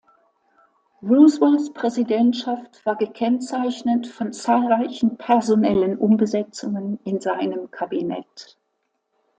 Roosevelts Präsidentschaft war gekennzeichnet von zahlreichen personellen Umbesetzungen in seinem Kabinett.